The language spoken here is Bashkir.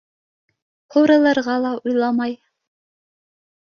Һурылырға ла уйламай.